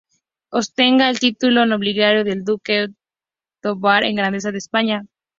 Ostenta el título nobiliario de duque de Tovar con grandeza de España.